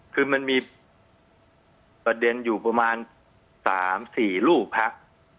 คือมันมีประเด็นอยู่ประมาณ๓๔ลูกพัก